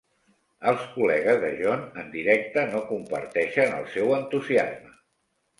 Els col·legues de Jon en directe no comparteixen el seu entusiasme.